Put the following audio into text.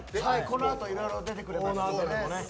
このあといろいろ出てくるんですけど。